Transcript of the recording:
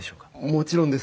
もちろんです。